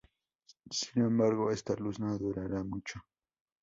Sin embargo, esta luz no durará mucho.